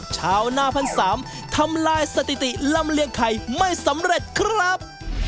ชาวหน้าพันสามทำลายสถิติลำเลียงไข่ไม่สำเร็จครับ